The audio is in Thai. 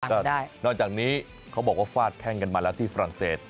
ก็นอกจากนี้เขาบอกว่าฟาดแข้งกันมาแล้วที่ฝรั่งเศส